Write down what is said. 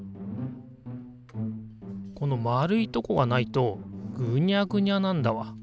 この丸いとこがないとぐにゃぐにゃなんだわ。